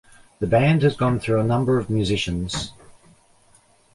The band has gone through a number of musicians.